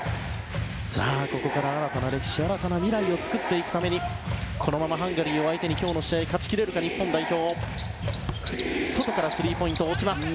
ここから新たな歴史新たな未来を作っていくためにこのままハンガリーを相手に今日の試合を勝ち切れるか日本代表。